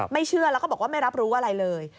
เชื่อแล้วก็บอกว่าไม่รับรู้อะไรเลย